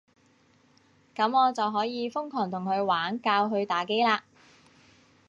噉我就可以瘋狂同佢玩，教佢打機喇